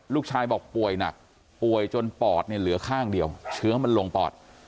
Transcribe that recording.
ลูกชายบอกป่วยหนักป่วยจนปอดเนี่ยเหลือข้างเดียวเชื้อมันลงปอด